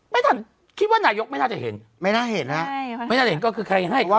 ไม่ทันคิดว่านายกไม่น่าจะเห็นไม่น่าเห็นฮะไม่น่าเห็นก็คือใครให้ก็